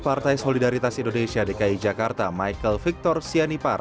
partai solidaritas indonesia dki jakarta michael victor sianipar